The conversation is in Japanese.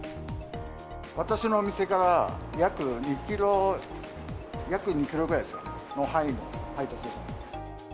私のお店から約２キロ、約２キロぐらいですかね、範囲の配達ですね。